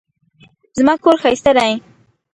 زما کور ښايسته دی